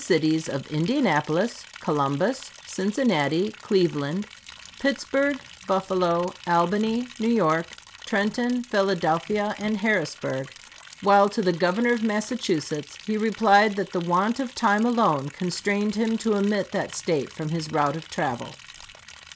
cities of Indianapolis, Columbus, Cincinnati, Cleve land, Pittsburgh, Buffalo, Albany, New York, Trenton, Philadelphia, and Harrisburg; while to the Governor of Massachusetts he replied that the want of time alone constrained him to omit that State from his route of travel.